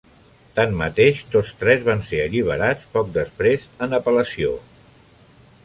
Tanmateix, tots tres van ser alliberats poc després en apel·lació.